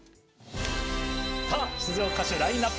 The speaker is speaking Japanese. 出場歌手ラインナップ！